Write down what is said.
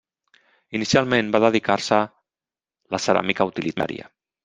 Inicialment, va dedicar-se la ceràmica utilitària.